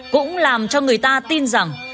cũng làm cho người ta tin rằng